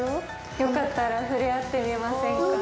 よかったら触れ合ってみませんか？